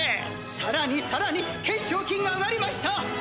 「さらにさらに懸賞金が上がりました！